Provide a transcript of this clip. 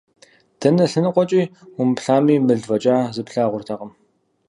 Дэнэ лъэныкъуэкӀэ умыплъами, мыл фӀэкӀа зы плъагъуртэкъым.